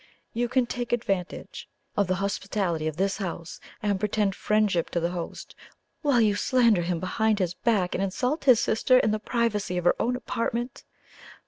You can take advantage of the hospitality of this house, and pretend friendship to the host, while you slander him behind his back, and insult his sister in the privacy of her own apartment.